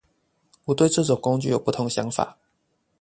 我對這種工具有不同想法